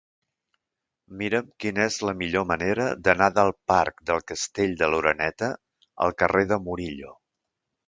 Mira'm quina és la millor manera d'anar del parc del Castell de l'Oreneta al carrer de Murillo.